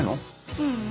ううん。